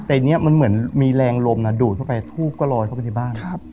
แต่อันนี้มันเหมือนมีแรงลมนะดูดเข้าไปทูบก็ลอยเข้าไปในบ้าน